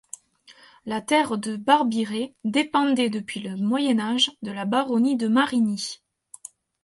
La terre de Barbirey dépendait depuis le Moyen Âge de la baronnie de Marigny.